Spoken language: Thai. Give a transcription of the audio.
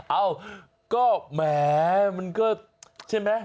เอ้าก็แหมมันก็ใช่ไหม